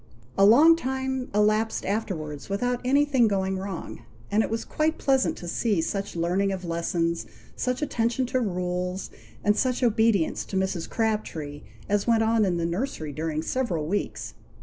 A long time elapsed afterwards without anything going wrong; and it was quite pleasant to see such learning of lessons, such attention to rules, and such obedience to Mrs. Crabtree, as went on in the nursery during several weeks.